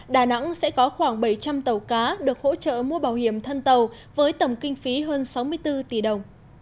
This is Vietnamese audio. đà nẵng sẽ có khoảng bảy trăm linh tàu cá được hỗ trợ mua bảo hiểm thân tàu với tổng kinh phí hơn sáu mươi bốn tỷ đồng